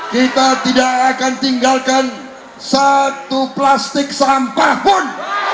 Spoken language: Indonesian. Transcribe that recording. kita tidak akan tinggalkan satu plastik sampah pun